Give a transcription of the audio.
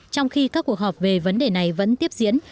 trong khi các cuộc họp về vấn đề này vẫn tiếp diễn